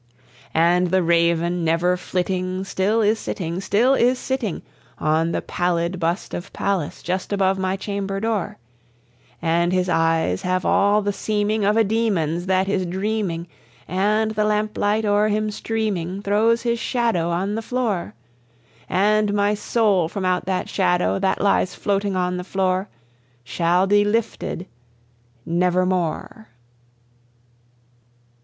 And the Raven, never flitting, still is sitting, still is sitting, On the pallid bust of Pallas, just above my chamber door; And his eyes have all the seeming of a demon's that is dreaming, And the lamp light o'er him streaming, throws his shadow on the floor; And my soul from out that shadow, that lies floating on the floor, Shall be lifted nevermore!